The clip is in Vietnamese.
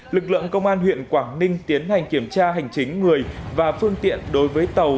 lực lượng công an huyện quảng ninh tiến hành kiểm tra hành chính người và phương tiện đối với tàu